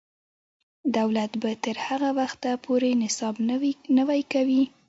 دولت به تر هغه وخته پورې نصاب نوی کوي.